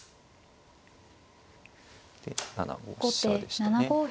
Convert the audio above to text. ７五飛車でしたね。